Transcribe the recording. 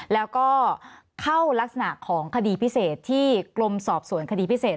แล้วก็เข้ารักษณะของคดีพิเศษที่กรมสอบสวนคดีพิเศษ